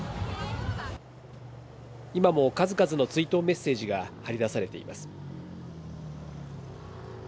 今も数々の追悼メッセージが貼り出されています。